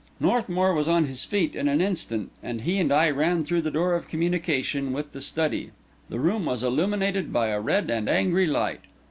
Northmour was on his feet in an instant, and he and I ran through the door of communication with the study. The room was illuminated by a red and angry light.